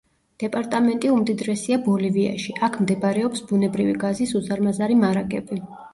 დეპარტამენტი უმდიდრესია ბოლივიაში, აქ მდებარეობს ბუნებრივი გაზის უზარმაზარი მარაგები.